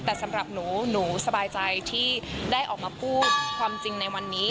แต่สำหรับหนูหนูสบายใจที่ได้ออกมาพูดความจริงในวันนี้